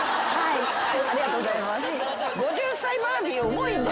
ありがとうございます。